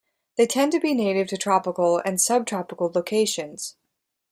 They tend to be native to tropical and sub-tropical locations.